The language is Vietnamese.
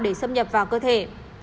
để xâm nhập vào cơ thể